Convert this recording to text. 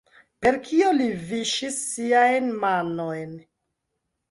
Per kio li viŝis siajn manojn?